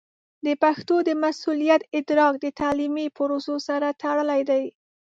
د پښتو د مسوولیت ادراک د تعلیمي پروسو سره تړلی دی.